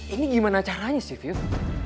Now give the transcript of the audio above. ini gimana caranya sih viv